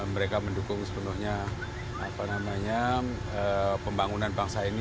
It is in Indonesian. mereka mendukung sepenuhnya pembangunan bangsa ini